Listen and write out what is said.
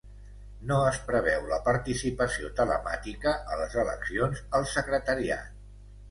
No es preveu la participació telemàtica a les eleccions al Secretariat.